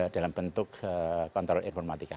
dalam bentuk kontrol informatika